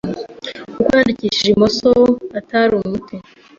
kuko yandikisha imoso atari umuti